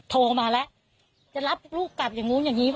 โทรมาแล้วจะรับลูกกลับอย่างนู้นอย่างนี้